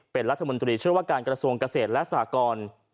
เป็นรัฐมนตรีช่วยว่าการกระทรวงเกษตรและสากร